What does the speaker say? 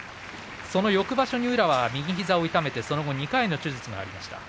その翌場所に宇良は右膝を痛めて２回の手術がありました。